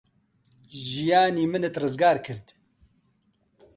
ژیانی منت ڕزگار کرد.